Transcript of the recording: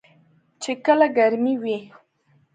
چې کله ګرمې وي .